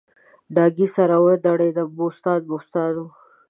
ډاګی سر او دړیدم بوستان بوستان و